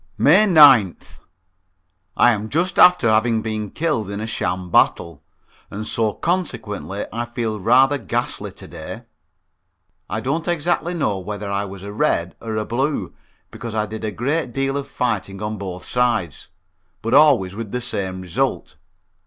May 9th. I am just after having been killed in a sham battle, and so consequently I feel rather ghastly to day. I don't exactly know whether I was a Red or a Blue, because I did a deal of fighting on both sides, but always with the same result.